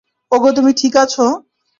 ওগো, তুমি ঠিক আছো?